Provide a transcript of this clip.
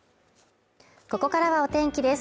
ここからはお天気です